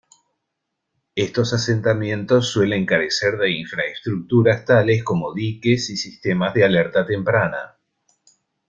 Estos asentamientos suelen carecer de infraestructuras tales como diques y sistemas de alerta temprana.